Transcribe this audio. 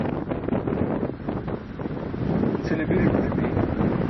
cʰile biri ẓuc̣ibi